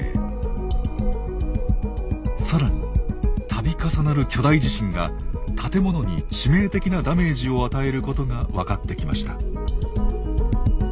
更に度重なる巨大地震が建物に致命的なダメージを与えることが分かってきました。